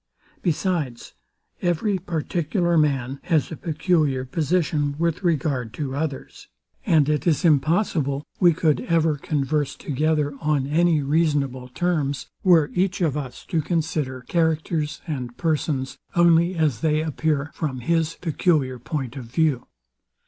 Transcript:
Besides, every particular man has a peculiar position with regard to others; and it is impossible we could ever converse together on any reasonable terms, were each of us to consider characters and persons, only as they appear from his peculiar point of view.